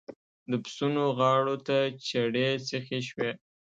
د پسونو غاړو ته چړې سيخې شوې.